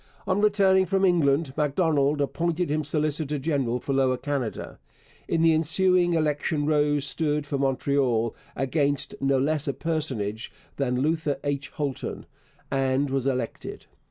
On returning from England Macdonald appointed him solicitor general for Lower Canada. In the ensuing election Rose stood for Montreal, against no less a personage than Luther H. Holton, and was elected.